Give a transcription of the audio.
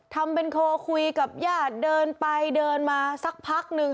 ทำเป็นโทรคุยกับญาติเดินไปเดินมาสักพักนึง